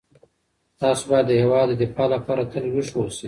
تاسو باید د هیواد د دفاع لپاره تل ویښ اوسئ.